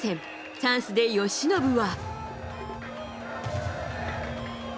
チャンスで由伸は。